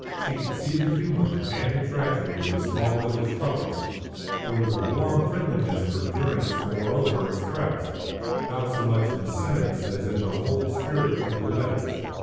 She could see the humour and the tragedy of the small village troubles. There was a warm friendliness for Durrance moreover expressed, not so much in a sentence as in the whole spirit of the letters.